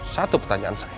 satu pertanyaan saya